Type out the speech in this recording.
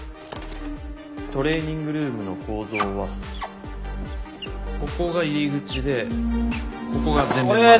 トレーニングルームの構造はここが入り口でここが全面窓。